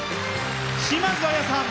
島津亜矢さん